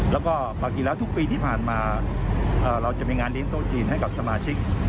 แล้วก็ปกติแล้วทุกปีที่ผ่านมาเราจะมีงานเลี้ยโต๊ะจีนให้กับสมาชิก